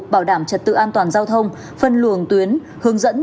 bảo đảm trật tự an toàn giao thông phân luồng tuyến hướng dẫn